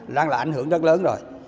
đang là ảnh hưởng rất lớn rồi